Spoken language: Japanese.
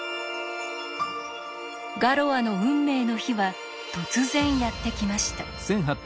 ガロアの運命の日は突然やって来ました。